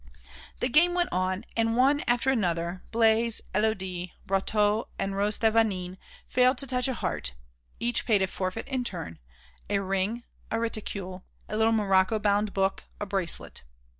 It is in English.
The game went on, and one after the other Blaise, Élodie, Brotteaux and Rose Thévenin failed to touch a heart; each paid a forfeit in turn a ring, a reticule, a little morocco bound book, a bracelet.